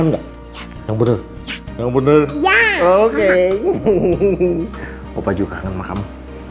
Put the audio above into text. enggak yang bener bener ya oke opa juga enggak mau kamu